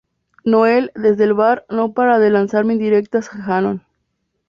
Noel desde el bar no para de lanzarle indirectas a Hannon.